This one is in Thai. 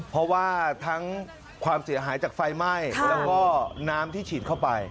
เพราะว่าทั้งความเสียหายจากไฟไหม้แล้วก็น้ำที่ฉีดเข้าไป